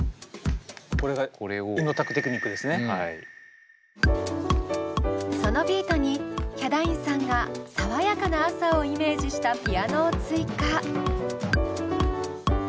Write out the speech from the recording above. これがそのビートにヒャダインさんが爽やかな朝をイメージしたピアノを追加。